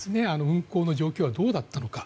運航の状況はどうだったのか。